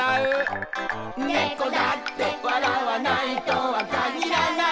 「猫だって笑わないとは限らない」